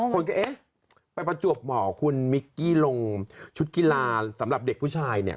คนก็เอ๊ะไปประจวบหมอคุณมิกกี้ลงชุดกีฬาสำหรับเด็กผู้ชายเนี่ย